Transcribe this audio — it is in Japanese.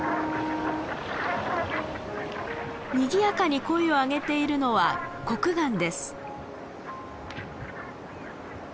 にぎやかに声を上げているのはコクガンです。